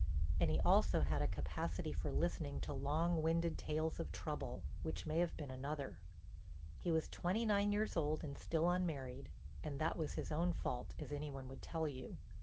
And he also had a capacity for listening to long winded tales of trouble, which may have been another. He was twenty nine years old and still unmarried, and that was his own fault as any one would tell you.